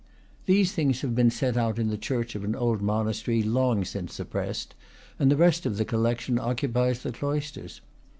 These things have been set out in the church of an old monastery, long since suppressed, and the rest of the collection occupies the cloisters.